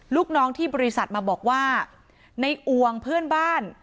ลูกน้องที่บริษัทมาบอกว่าในอวงเพื่อนบ้าน